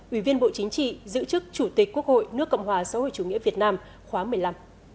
ủy viên bộ chính trị giữ chức chủ tịch quốc hội nước cộng hòa xã hội chủ nghĩa việt nam khóa một mươi năm